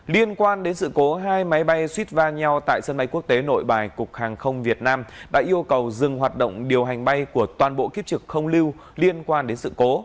liên quan đến sự cố hai máy bay shipvanel tại sân bay quốc tế nội bài cục hàng không việt nam đã yêu cầu dừng hoạt động điều hành bay của toàn bộ kiếp trực không lưu liên quan đến sự cố